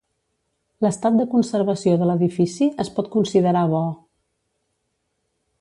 L'estat de conservació de l'edifici es pot considerar bo.